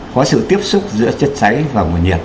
có sự tiếp xúc giữa chất cháy và nguồn nhiệt